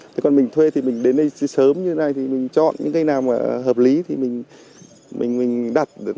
thế còn mình thuê thì mình đến đây sớm như thế này thì mình chọn những cây nào mà hợp lý thì mình đặt